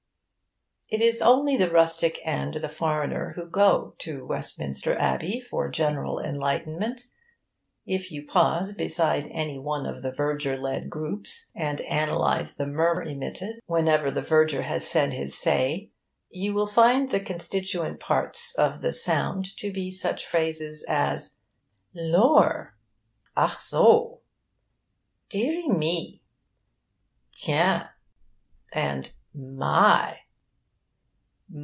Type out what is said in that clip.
It is only the rustic and the foreigner who go to Westminster Abbey for general enlightenment. If you pause beside any one of the verger led groups, and analyse the murmur emitted whenever the verger has said his say, you will find the constituent parts of the sound to be such phrases as 'Lor!' 'Ach so!' 'Deary me!' 'Tiens!' and 'My!'